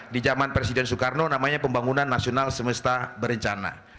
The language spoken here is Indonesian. di zaman presiden soekarno namanya pembangunan nasional semesta berencana